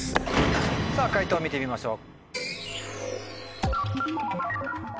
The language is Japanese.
さぁ解答見てみましょう。